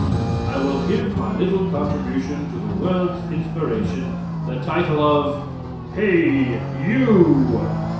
I will give my little contribution to the world's inspiration the title of HEY, YOU!